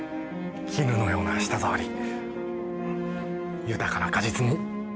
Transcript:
絹のような舌触り豊かな果実味。